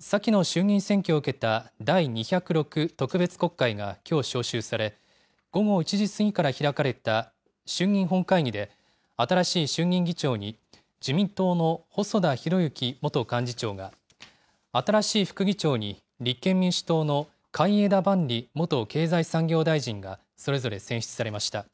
先の衆議院選挙を受けた第２０６特別国会がきょう召集され、午後１時過ぎから開かれた衆議院本会議で、新しい衆議院議長に自民党の細田博之元幹事長が、新しい副議長に立憲民主党の海江田万里元経済産業大臣が、それぞれ選出されました。